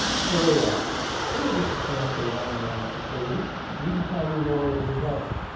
"Very well; we will get to Chancery Lane now, if you please, and you can tell me more as we go."